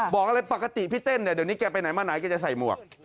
บอกอะไรปกติพี่เต้นเนี่ยเดี๋ยวนี้แกไปไหนมาไหนแกจะใส่หมวก